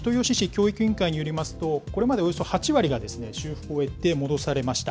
教育委員会によりますと、これまでおよそ８割が修復を終えて戻されました。